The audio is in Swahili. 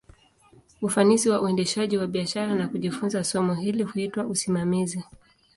Ufanisi wa uendeshaji wa biashara, na kujifunza somo hili, huitwa usimamizi.